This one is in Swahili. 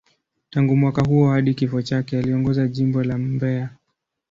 Tangu mwaka huo hadi kifo chake, aliongoza Jimbo la Mbeya.